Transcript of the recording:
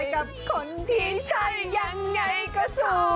กับคนที่ใช่ยังไงก็สู้